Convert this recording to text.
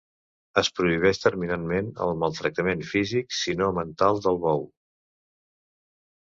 Es prohibeix terminantment el maltractament físic, si no mental, del bou.